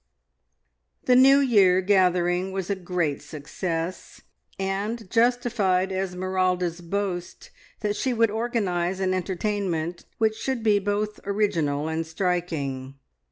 The New Year gathering was a great success, and justified Esmeralda's boast that she would organise an entertainment which should be both original and striking.